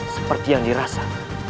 seperti yang dirasa